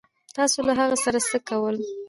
تاسو له هغه سره څه کول